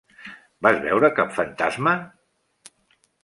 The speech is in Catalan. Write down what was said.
Vas veure cap fantasma?